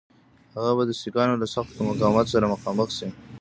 هغه به د سیکهانو له سخت مقاومت سره مخامخ شي.